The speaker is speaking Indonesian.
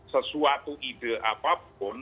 sesuatu ide apapun